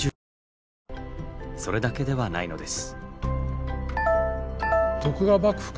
それだけではないのです。